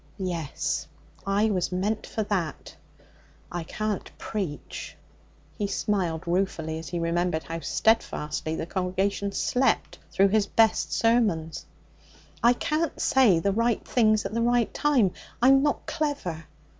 Yes, I was meant for that. I can't preach.' He smiled ruefully as he remembered how steadfastly the congregation slept through his best sermons. 'I can't say the right things at the right time. I'm not clever.